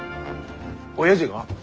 おやじが？